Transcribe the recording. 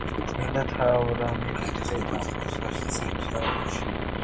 წმინდანმა თვრამეტი თვე დაჰყო სატუსაღოში.